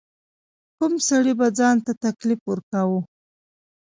کم سړي به ځان ته تکلیف ورکاوه.